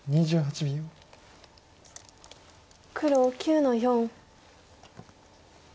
黒９の四。